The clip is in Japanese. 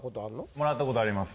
もらったことあります。